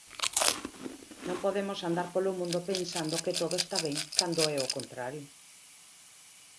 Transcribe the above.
Non podemos andar polo mundo pensando que todo está ben cando é o contrario.